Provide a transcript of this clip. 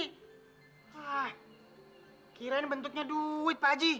hah kirain bentuknya duit pak aji